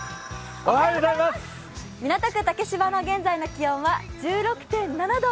港区竹芝の現在の気温は１６．７度。